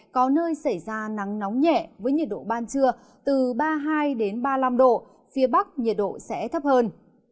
có nơi xảy ra nắng nóng nhẹ với nhiệt độ ban trưa từ ba mươi hai ba mươi năm độ phía bắc nhiệt độ sẽ thấp hơn